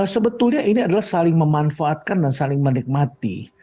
sebetulnya ini adalah saling memanfaatkan dan saling menikmati